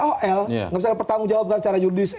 nggak bisa ada pertanggung jawab dengan cara judis